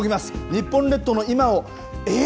日本列島の今を、え？